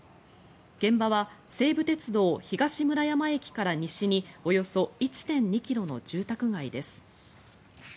現場は西武鉄道東村山駅から西におよそ１．２ｋｍの住宅街です。